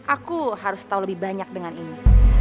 aku harus tahu lebih banyak dengan ini